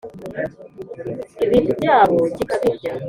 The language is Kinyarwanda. ibintu byabo kikabirya